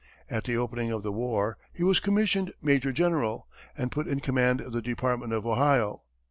At the opening of the war, he was commissioned major general, and put in command of the Department of Ohio.